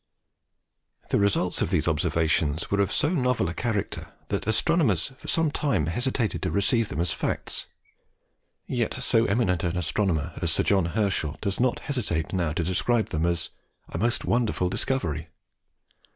The results of these observations were of so novel a character that astronomers for some time hesitated to receive them as facts. Yet so eminent an astronomer as Sir John Herschel does not hesitate now to describe them as "a most wonderful discovery."